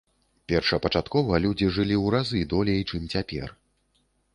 Першапачаткова людзі жылі ў разы долей, чым цяпер.